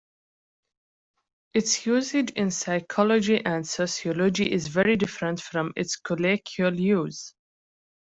Its usage in psychology and sociology is very different from its colloquial use.